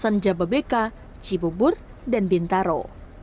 di kawasan jabebeka cibubur dan bintaro